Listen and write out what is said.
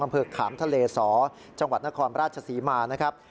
ขามทะเลสอจังหวัดนครราชศรีมานะครับ